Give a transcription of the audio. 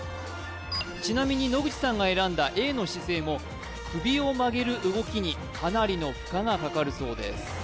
ちなみに野口さんが選んだＡの姿勢も首を曲げる動きにかなりの負荷がかかるそうです